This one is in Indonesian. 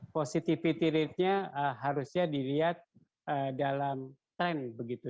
positivity ratenya harusnya dilihat dalam tren begitu